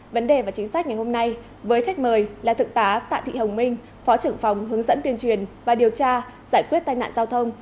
vấn đề và chính sách ngày hôm nay với khách mời là thượng tá tạ thị hồng minh phó trưởng phòng hướng dẫn tuyên truyền và điều tra giải quyết tai nạn giao thông